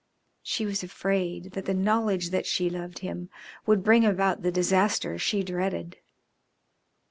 She was afraid that the knowledge that she loved him would bring about the disaster she dreaded.